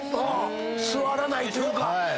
座らないというか。